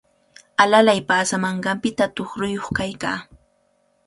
Alalay paasamanqanpita tuqruyuq kaykaa.